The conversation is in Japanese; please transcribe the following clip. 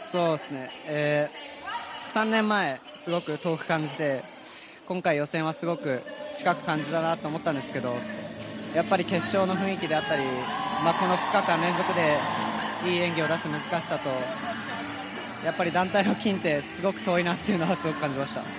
３年前すごく遠く感じて今回、予選はすごく近く感じたなと思ったんですけどやっぱり決勝の雰囲気であったりこの２日間連続でいい演技を出す難しさと団体の金ってすごく遠いなというのはすごく感じました。